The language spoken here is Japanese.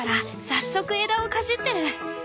早速枝をかじってる。